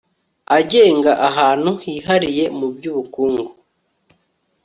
agenga ahantu hihariye mu by ubukungu